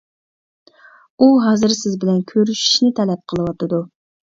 ئۇ ھازىر سىز بىلەن كۆرۈشۈشنى تەلەپ قىلىۋاتىدۇ.